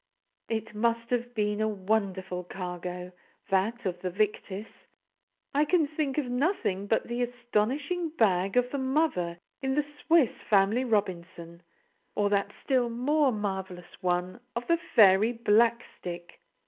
It must have been a wonderful cargo, that of the Victis; I can think of nothing but the astonishing bag of the Mother in the "Swiss Family Robinson," or that still more marvelous one of the Fairy Blackstick.